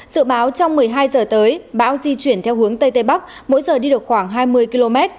dự báo trong một mươi hai giờ tới bão di chuyển theo hướng tây tây bắc mỗi giờ đi được khoảng hai mươi km